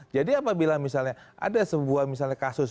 jadi apabila misalnya ada sebuah misalnya kasus